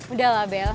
udah lah bel